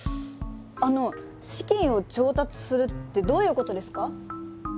あの資金を調達するってどういうことですか？